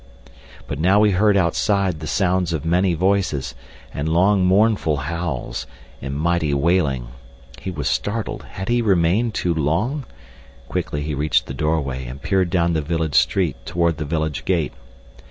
But now he heard, outside, the sounds of many voices, and long mournful howls, and mighty wailing. He was startled. Had he remained too long? Quickly he reached the doorway and peered down the village street toward the village gate.